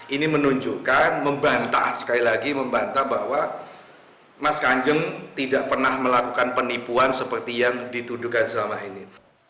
ini menunjukkan membantah sekali lagi membantah bahwa mas kanjeng tidak pernah melakukan penipuan seperti yang dituduhkan selama ini